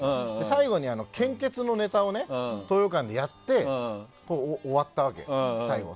最後に献血のネタを東洋館でやって終わったわけ、最後。